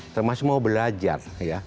termasuk mau belajar